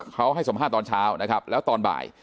เขาให้สัมภาษณ์ตอนเช้านะครับแล้วตอนบ่าย